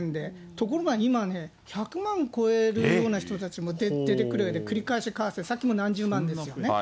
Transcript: ところが今はね、１００万超えるような人たちも出てくるようで、繰り返し買わせ、さっきも何十万ですよね。